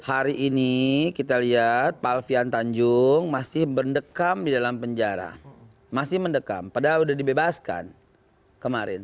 hari ini kita lihat pak alfian tanjung masih berdekam di dalam penjara masih mendekam padahal sudah dibebaskan kemarin